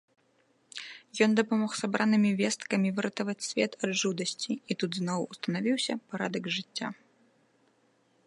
Ён дапамог сабранымі весткамі выратаваць свет ад жудасці, і тут зноў устанавіўся парадак жыцця.